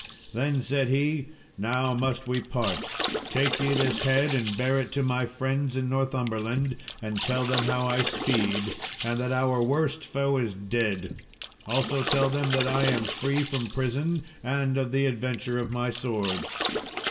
Then said he, "Now must we part; take ye this head and bear it to my friends in Northumberland, and tell them how I speed, and that our worst foe is dead; also tell them that I am free from prison, and of the adventure of my sword."